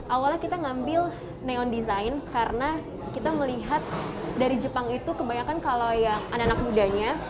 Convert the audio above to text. awalnya kita ngambil neon design karena kita melihat dari jepang itu kebanyakan kalau yang anak anak mudanya